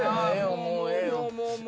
もうええよ。